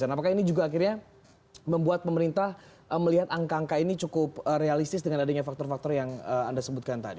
apakah ini juga akhirnya membuat pemerintah melihat angka angka ini cukup realistis dengan adanya faktor faktor yang anda sebutkan tadi